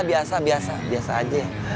biasa biasa biasa aja